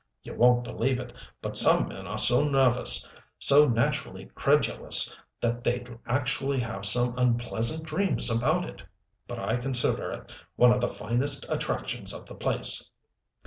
You won't believe it, but some men are so nervous, so naturally credulous, that they'd actually have some unpleasant dreams about it. But I consider it one of the finest attractions of the place.